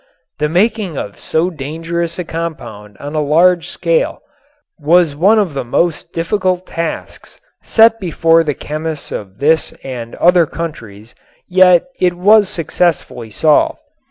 The making of so dangerous a compound on a large scale was one of the most difficult tasks set before the chemists of this and other countries, yet it was successfully solved.